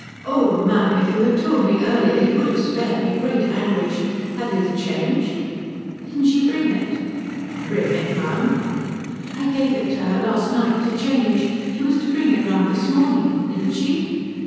"Oh ma'am, if you had told me earlier you would have spared me great anguish. Have you the change?" "Didn't she bring it?" "Bring it, ma'am?" "I gave it to her last night to change. She was to bring it round this morning. Didn't she?"